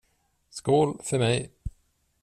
Skål för mig.